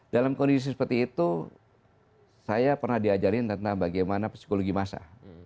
dalam kondisi seperti itu saya pernah diajarin tentang bagaimana psikologi masa